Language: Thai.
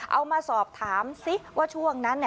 เอามาสอบถามซิว่าช่วงนั้น